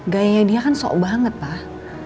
gayanya dia kan sok banget pak